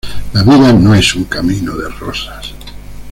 La vida no es un camino de rosas